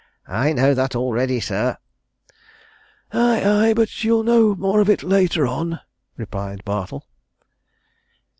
"I know that already, sir." "Aye, aye, but you'll know more of it later on," replied Bartle.